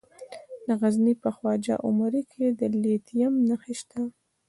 د غزني په خواجه عمري کې د لیتیم نښې شته.